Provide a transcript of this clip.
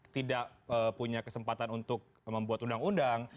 karena tidak punya kesempatan untuk membuat undang undang